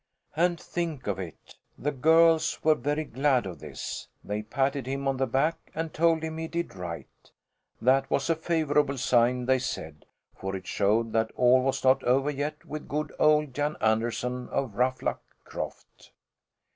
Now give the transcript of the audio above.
And think of it! The girls were very glad of this. They patted him on the back and told him he did right. That was a favourable sign, they said, for it showed that all was not over yet with good old Jan Anderson of Ruffluck Croft.